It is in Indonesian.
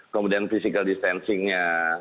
kemudian physical distancingnya